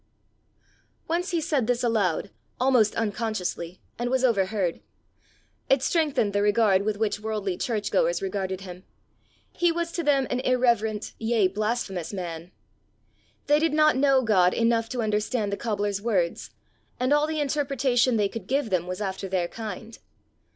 Once he said this aloud, almost unconsciously, and was overheard: it strengthened the regard with which worldly church goers regarded him: he was to them an irreverent, yea, blasphemous man! They did not know God enough to understand the cobbler's words, and all the interpretation they could give them was after their kind.